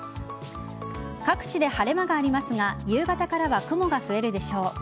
各地で晴れ間がありますが夕方からは雲が増えるでしょう。